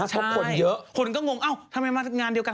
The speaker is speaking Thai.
ใช่คนก็งงเอ้าทำไมมางานเดียวกัน